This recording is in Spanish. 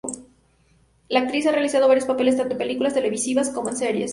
La actriz ha realizado varios papeles tanto en películas televisivas como en series.